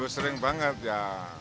sering banget ya